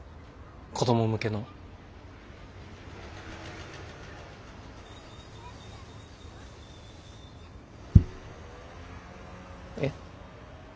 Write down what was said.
子供向けの。え？